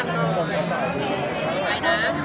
ที่ใหญ่มาก